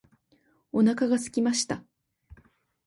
お腹が空きました。